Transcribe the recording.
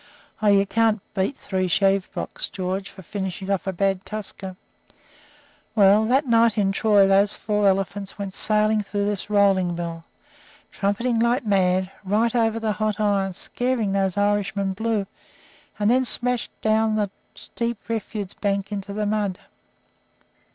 Oh, you can't beat three sheave blocks, George, for finishing off a bad tusker. Well, this night in Troy those four elephants went sailing through this rolling mill, trumpeting like mad, right over the hot iron, scaring those Irishmen blue, and then smashed down a steep refuse bank into the mud.